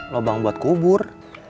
lobang buat kubur